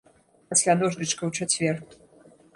Пасля дожджычка ў чацвер.